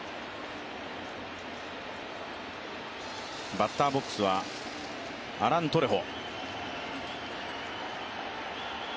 バッターボックスはアラン・トレホ。